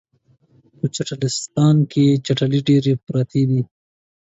په چټلستان کې چټلۍ ډیرې پراتې دي